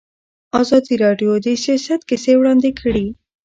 ازادي راډیو د سیاست کیسې وړاندې کړي.